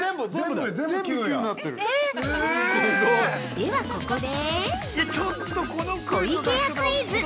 ◆ではここで、湖池屋クイズ！